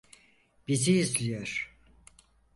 Bizi izliyor.